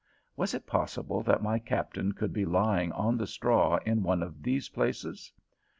Was it possible that my Captain could be lying on the straw in one of these places?